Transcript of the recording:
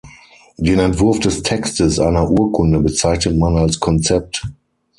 Den Entwurf des Textes einer Urkunde bezeichnet man als Konzept.